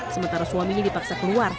sementara suaminya dipaksa keluar